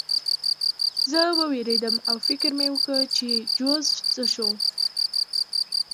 زه ووېرېدم او فکر مې وکړ چې جوزف څه شو